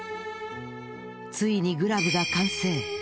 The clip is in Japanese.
ついにグラブが完成。